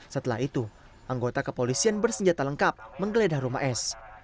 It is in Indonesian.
setelah itu anggota kepolisian bersenjata lengkap menggeledah rumah s